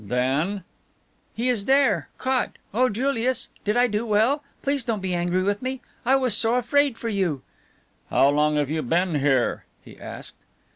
"Then " "He is there! Caught! Oh, Julius, did I do well? Please don't be angry with me! I was so afraid for you!" "How long have you been here?" he asked.